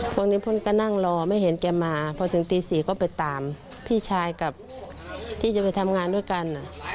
พวกนี้พ่นก็นั่งรอไม่เห็นแกมาพอถึงตี๔ก็ไปตามพี่ชายกับที่จะไปทำงานด้วยกัน